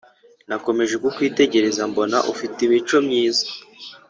nakomeje kukwitegereza mbona ufite imico myiza